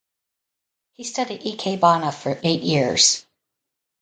He studied ikebana for eight years.